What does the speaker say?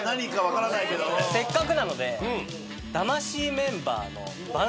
せっかくなので。